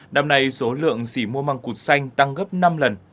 năm nay số lượng xỉ mua măng cụt xanh tăng gấp năm lần